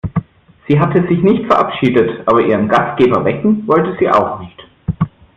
Sie hatte sich nicht verabschiedet, aber ihren Gastgeber wecken wollte sie auch nicht.